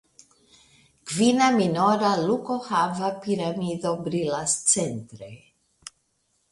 Kvina minora lukohava piramido brilas centre.